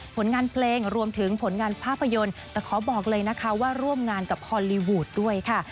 ผลงานเพลงรวมถึงผลงานภาพยนตร์แต่ขอบอกเลยนะคะว่าร่วมงานกับฮอลลีวูดด้วยค่ะ